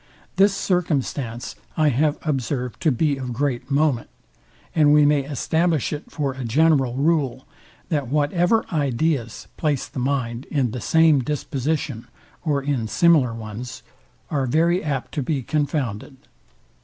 This circumstance I have observ'd to be of great moment; and we may establish it for a general rule, that whatever ideas place the mind in the same disposition or in similar ones, are very apt to be confounded.